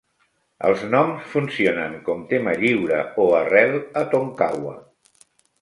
Els noms funcionen com tema lliure o arrel, a Tonkawa.